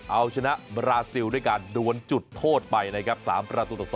เอาชนะบราซิลด้วยการดวนจุดโทษไปนะครับ๓ประตูต่อ๒